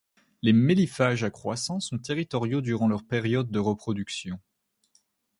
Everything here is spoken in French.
Les Méliphages à croissants sont territoriaux durant leur période de reproduction.